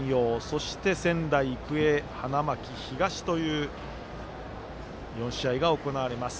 そして、仙台育英花巻東という４試合が行われます。